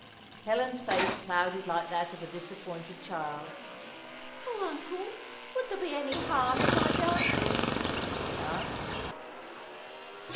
Helen's face clouded like that of a disappointed child. "O Uncle, would there be any harm in my dancing?" she asked.